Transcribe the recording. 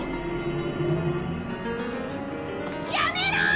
やめろ！